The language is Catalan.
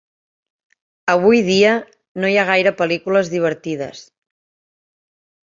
Avui dia, no hi ha gaires pel·lícules divertides.